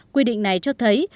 quy định này cho thấy